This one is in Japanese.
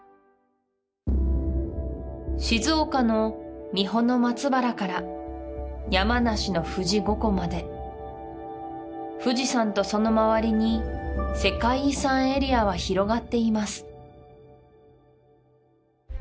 静岡の三保松原から山梨の富士五湖まで富士山とその周りに世界遺産エリアは広がっています